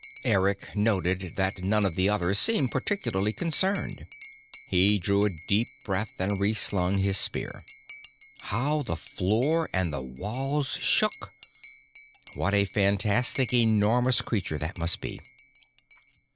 Eric noticed that none of the others seemed particularly concerned. He drew a deep breath and reslung his spear. How the floor and the walls shook! What a fantastic, enormous creature that must be!